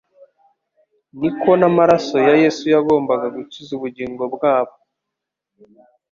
niko n'amaraso ya Yesu yagombaga gukiza ubugingo bwabo